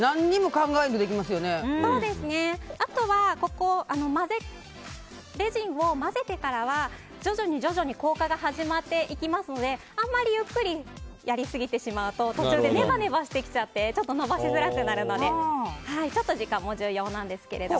あとは、レジンを混ぜてからは徐々に硬化が始まりますのであまりゆっくりやり過ぎてしまうと途中でネバネバしてきちゃって延ばしづらくなるのでちょっと時間も重要なんですけど。